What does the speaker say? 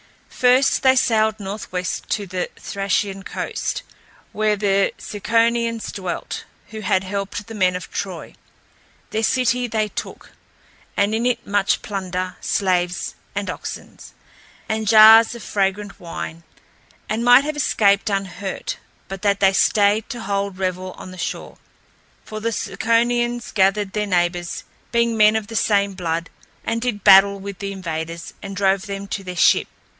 First they sailed northwest to the Thracian coast, where the Ciconians dwelt, who had helped the men of Troy. Their city they took, and in it much plunder, slaves and oxen, and jars of fragrant wine, and might have escaped unhurt, but that they stayed to hold revel on the shore. For the Ciconians gathered their neighbors, being men of the same blood, and did battle with the invaders and drove them to their ship.